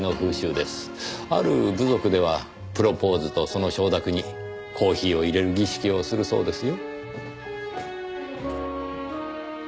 ある部族ではプロポーズとその承諾にコーヒーをいれる儀式をするそうですよ。